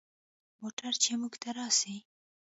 موټر چې موږ ته راسي.